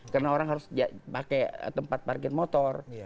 karena orang harus pakai tempat parkir motor